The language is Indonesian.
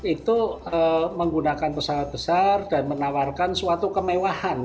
itu menggunakan pesawat besar dan menawarkan suatu kemewahan